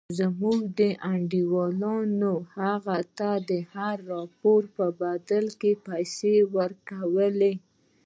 زموږ انډيوالانو هغه ته د هر راپور په بدل کښې پيسې ورکولې.